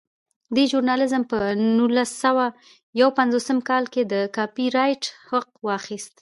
دې ژورنال په نولس سوه یو پنځوس کال کې د کاپي رایټ حق واخیست.